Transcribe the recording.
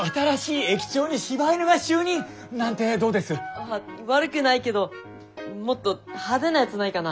あっ悪くないけどもっと派手なやつないかな？